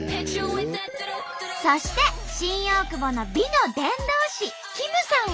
そして新大久保の美の伝道師キムさんは。